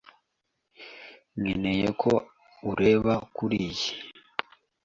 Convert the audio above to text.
Nkeneye ko ureba kuriyi.